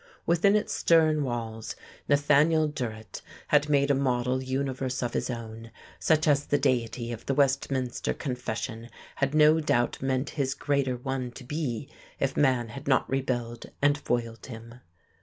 Within its stern walls Nathaniel Durrett had made a model universe of his own, such as the Deity of the Westminster Confession had no doubt meant his greater one to be if man had not rebelled and foiled him....